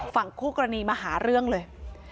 ฝั่งคู่กรณีมาหาเรื่องเลย